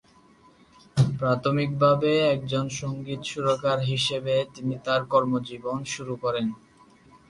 প্রাথমিকভাবে একজন সংগীত সুরকার হিসেবে তিনি তার কর্মজীবন শুরু করেন।